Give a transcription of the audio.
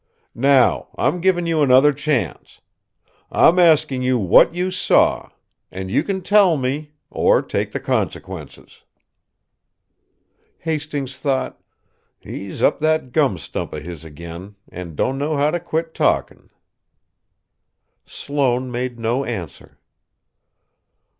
Now, I'm giving you another chance. I'm asking you what you saw; and you can tell me or take the consequences!" Hastings thought: "He's up that gum stump of his again, and don't know how to quit talking." Sloane made no answer.